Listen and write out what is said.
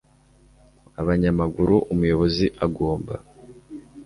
abanyamaguru umuyobozi agomba